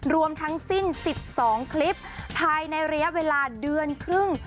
รวมทั้งสิ้นสิบสองคลิปทายในเรียเวลาเดือนครึ่ง